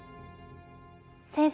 先生。